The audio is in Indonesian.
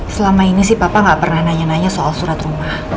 selama ini sih papa nggak pernah nanya nanya soal surat rumah